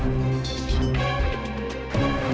melmela kawan kapu